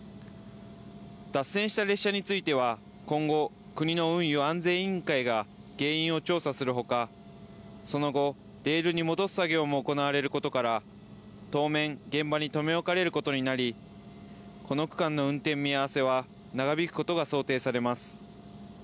脱線した列車については今後、国の運輸安全委員会が原因を調査するほか、その後、レールに戻す作業も行われることから、当面、現場に留め置かれることになり、この区間の運転見合わせは長引くことが想定されます。